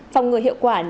phòng ngừa hiệu quả